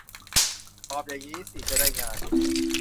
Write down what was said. ตอบอย่างนี้สิจะได้งาน